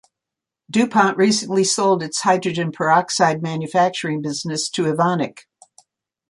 DuPont recently sold its hydrogen peroxide manufacturing business to Evonik.